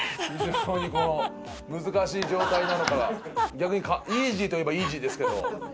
逆にイージーといえばイージーですけど。